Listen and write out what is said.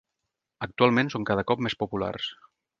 Actualment són cada cop més populars.